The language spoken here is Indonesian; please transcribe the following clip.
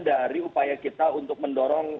dari upaya kita untuk mendorong